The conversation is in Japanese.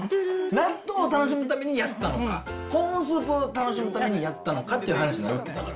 納豆を楽しむためにやったのか、コーンスープを楽しむためにやったのかっていう話になるから。